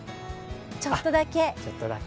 ちょっとだけ。